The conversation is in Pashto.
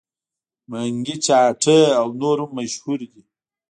منګي چاټۍ او نور هم مشهور دي.